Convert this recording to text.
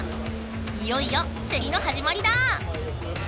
いよいよせりのはじまりだ！